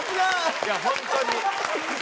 いや、本当に。